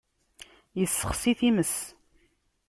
Yessexsi times.